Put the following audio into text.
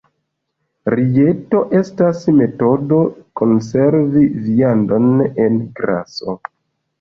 Rijeto estas metodo konservi viandon en graso.